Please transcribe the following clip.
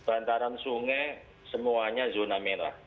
bantaran sungai semuanya zona merah